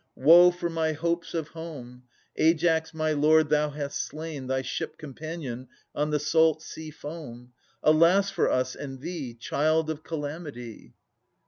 Woe for my hopes of home ! Aias, my lord, thou hast slain Thy ship companion on the salt sea foam. Alas for us, and thee, Child of calamity!